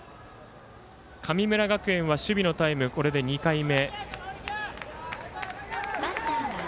神村学園は守備のタイムこれで２回目。